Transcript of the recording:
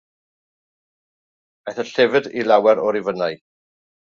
Aeth y llyfr i lawer o rifynnau.